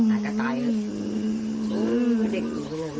อาจจะตายเลย